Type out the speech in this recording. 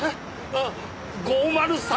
ああ５０３